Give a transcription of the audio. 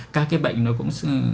các cái bệnh nó cũng